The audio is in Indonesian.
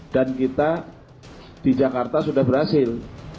dan kita di jakarta sudah berhasil